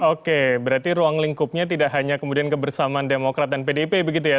oke berarti ruang lingkupnya tidak hanya kemudian kebersamaan demokrat dan pdip begitu ya